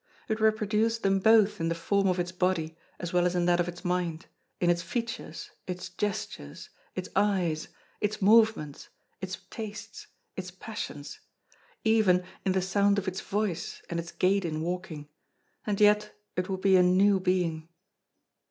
It reproduced them both in the form of its body as well as in that of its mind, in its features, its gestures, its eyes, its movements, its tastes, its passions, even in the sound of its voice and its gait in walking, and yet it would be a new being!